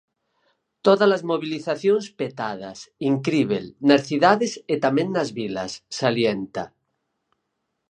Todas as mobilizacións petadas, incríbel, nas cidades e tamén nas vilas, salienta.